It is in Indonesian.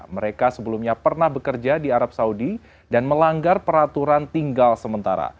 mereka sebelumnya pernah bekerja di arab saudi dan melanggar peraturan tinggal sementara